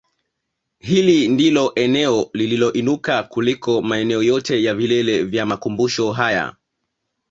Hili ndilo eneo lililoinuka kuliko maeneo yote ya vilele vya makumbumsho haya